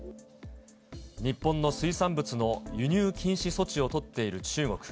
日本の水産物の輸入禁止措置を取っている中国。